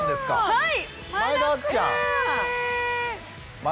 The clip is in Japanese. はい。